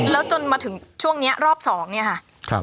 แล้วจนมาถึงช่วงนี้รอปสองเนี่ยครับ